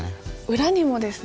裏にもですね